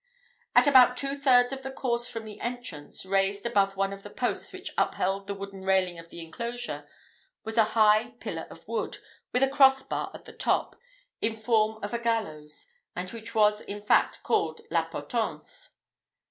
At about two thirds of the course from the entrance, raised above one of the posts which upheld the wooden railing of the enclosure, was a high pillar of wood, with a cross bar at the top, in form of a gallows, and which was in fact called la potence.